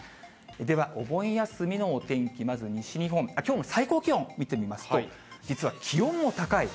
では、お盆休みのお天気、まず西日本、きょうの最高気温を見てみますと、実は気温も高い。